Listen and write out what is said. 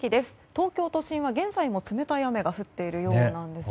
東京都心は現在も冷たい雨が降っているようなんです。